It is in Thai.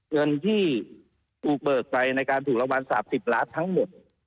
เงินที่ปูเปิดไปในการถูกรับมา๓๐ล้านบาททั้งหมด